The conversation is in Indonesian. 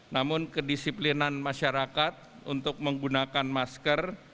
namun kedisiplinan masyarakat untuk menggunakan masker